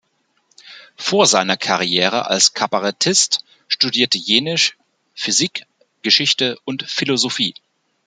Vor seiner Karriere als Kabarettist studierte Jenisch Physik, Geschichte und Philosophie.